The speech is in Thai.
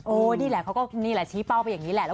นี่แหละเขาก็นี่แหละชี้เป้าไปอย่างนี้แหละ